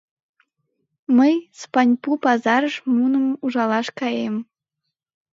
Мый Спаньпу пазарыш муным ужалаш каем.